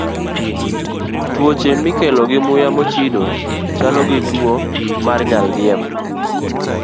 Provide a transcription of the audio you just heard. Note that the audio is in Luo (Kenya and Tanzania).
Tuoche mikelo gi muya mochido chalo gi tuwo mar nyaldiema.